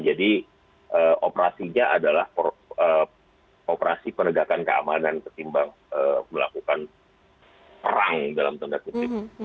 jadi operasinya adalah operasi penegakan keamanan ketimbang melakukan perang dalam tanda kutip